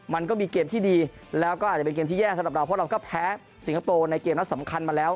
มันก็มีเกมที่ดีแล้วก็อาจจะเป็นเกมที่แย่สำหรับเราเพราะเราก็แพ้สิงคโปร์ในเกมนัดสำคัญมาแล้ว